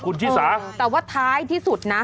คุณชิสาแต่ว่าท้ายที่สุดนะ